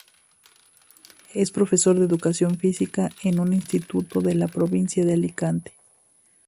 Es profesor de educación física en un instituto de la provincia de Alicante.